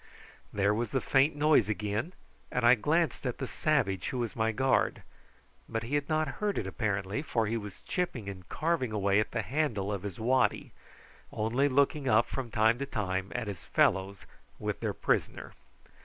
There was the faint noise again, and I glanced at the savage who was my guard, but he had not heard it apparently, for he was chipping and carving away at the handle of his waddy, only looking up from time to time at his fellows with their prisoner.